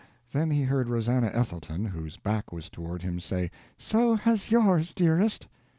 Then he heard Rosannah Ethelton, whose back was toward him, say: "So has yours, dearest!"